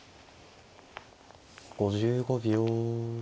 ５５秒。